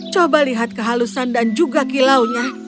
coba lihat kehalusan dan juga kilaunya